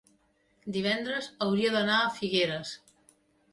divendres hauria d'anar a Figueres.